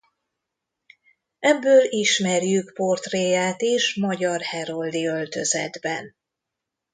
Ebből ismerjük portréját is magyar heroldi öltözetben.